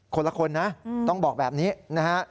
คนละคนนะต้องบอกแบบนี้นะฮะ